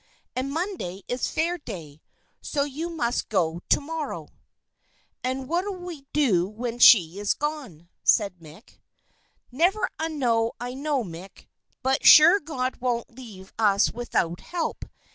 "And Monday is Fair day, so you must go to morrow." "And what'll we do when she's gone?" said Mick. "Never a know I know, Mick, but sure God won't leave us without help.